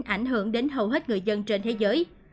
ảnh hưởng đến hầu hết người dân trên thế giới